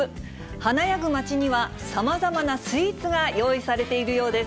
華やぐ街には、さまざまなスイーツが用意されているようです。